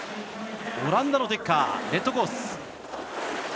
オランダのデッカーレッドコース。